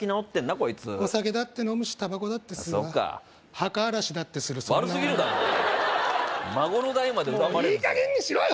こいつお酒だって飲むしタバコだって吸うわそうか墓荒らしだってするそんな女悪すぎるだろ孫の代まで恨まれるぞいいかげんにしろよ！